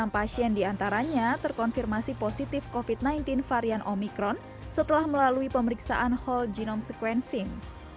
satu ratus tiga puluh enam pasien di antaranya terkonfirmasi positif covid sembilan belas varian omikron setelah melalui pemeriksaan whole genome sequencing